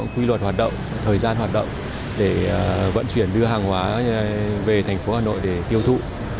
quy luật hoạt động thời gian hoạt động để vận chuyển đưa hàng hóa về thành phố hà nội để tiêu thụ